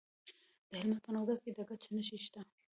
د هلمند په نوزاد کې د ګچ نښې شته.